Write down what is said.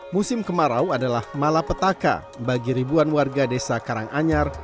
musim kemarau adalah malapetaka bagi ribuan warga desa karanganyar